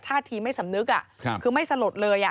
ท่าทีไม่สำนึกคือไม่สลดเลย